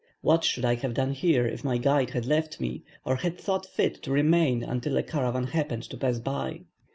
What should I have done here if my guide had left me, or had thought fit to remain until a caravan happened to pass by.